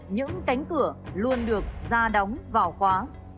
những cánh cửa luôn được ra đóng vào khóa